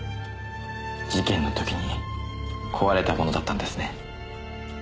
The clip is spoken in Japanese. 事件の時に壊れたものだったんですね。